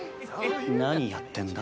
何やってんだ？